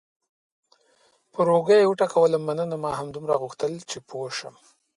پر اوږه یې وټکولم: مننه، ما همدومره غوښتل چې پوه شم.